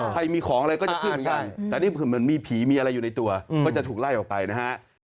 ใครมีของอะไรก็จะขึ้นเหมือนกันแต่นี่คือเหมือนมีผีมีอะไรอยู่ในตัวก็จะถูกไล่ออกไปนะฮะ